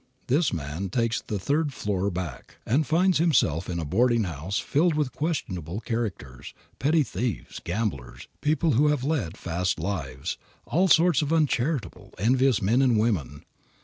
This man takes the "third floor back," and finds himself in a boarding house filled with questionable characters, petty thieves, gamblers, people who have led fast lives, all sorts of uncharitable, envious men and women.